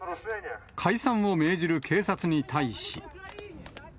解散を命じる警察に対し。